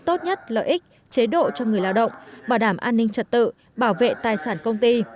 tốt nhất lợi ích chế độ cho người lao động bảo đảm an ninh trật tự bảo vệ tài sản công ty